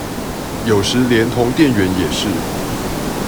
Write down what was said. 有時連同店員也是